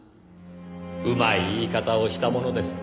うまい言い方をしたものです。